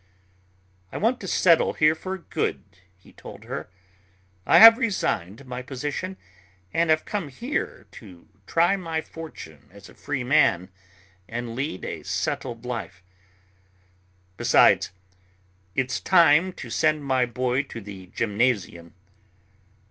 "I want to settle here for good," he told her. "I have resigned my position and have come here to try my fortune as a free man and lead a settled life. Besides, it's time to send my boy to the gymnasium.